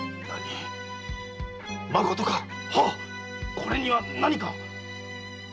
これには何か⁉